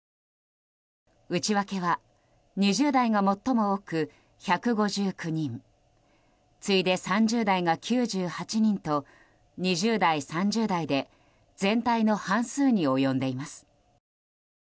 内訳は２０代が最も多く１５９人次いで３０代が９８人と２０代、３０代で全体の半数に及んでいます。